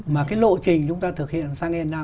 mà cái lộ trình chúng ta thực hiện xăng e năm